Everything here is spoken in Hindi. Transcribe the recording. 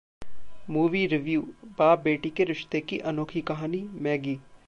Movie Review: बाप-बेटी के रिश्ते की अनोखी कहानी 'मैगी'